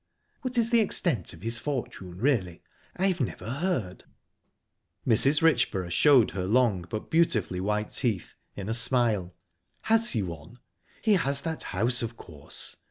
"What is the extent of his fortune, really? I've never heard." Mrs. Richborough showed her long, but beautifully white teeth, in a smile. "Has he one? He has that house, of course...